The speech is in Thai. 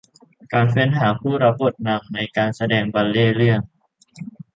การเฟ้นหาผู้รับบทนำในการแสดงบัลเลต์เรื่อง